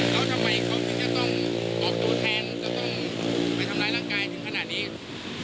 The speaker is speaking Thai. แล้วทำไมเขาถึงจะต้องออกตัวแทนจะต้องไปทำร้ายร่างกายถึงขนาดนี้